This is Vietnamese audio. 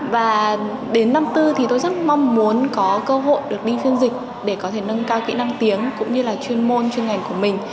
và đến năm bốn thì tôi rất mong muốn có cơ hội được đi phiên dịch để có thể nâng cao kỹ năng tiếng cũng như là chuyên môn chuyên ngành của mình